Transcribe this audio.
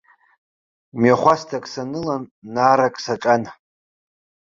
Мҩахәасҭак санылан, наарак саҿан.